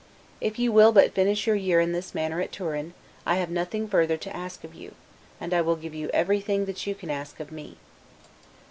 If you will but finish your year in this manner at Turin, I have nothing further to ask of you; and I will give you everything that you can ask of me.